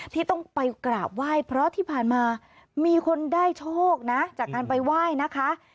ที่ต้องไปกราบไหว้เพราะที่ผ่านมามีคนได้โชคนะจากการไปไหว้นะคะ